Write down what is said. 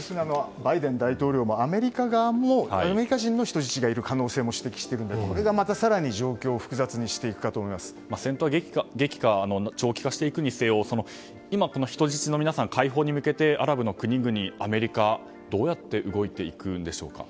バイデン大統領もアメリカ人の人質がいる可能性も指摘しているのでこれが更に状況を戦闘が激化長期化していくにせよ今、人質の皆さん解放に向けてアラブの国々アメリカどうやって動いていくんでしょう。